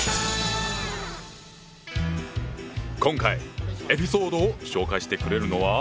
今回エピソードを紹介してくれるのは。